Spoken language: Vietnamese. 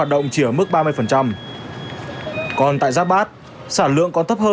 tuy nhiên trên thực tế